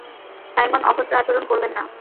Simon, অভদ্র আচরণ করবেন না!